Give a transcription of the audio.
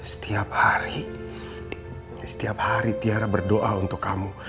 setiap hari setiap hari tiara berdoa untuk kamu